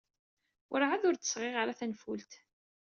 Werɛad ur d-sɣiɣ ara tanfult.